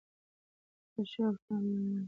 بدل شوي عکس العملونه صحي دي.